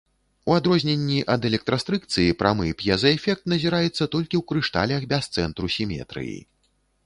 У адрозненні ад электрастрыкцыі, прамы п'езаэфект назіраецца толькі ў крышталях без цэнтру сіметрыі.